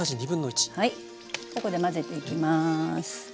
ここで混ぜていきます。